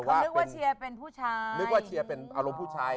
เค้าเลือกว่าเชียร์เป็นภู่ชาย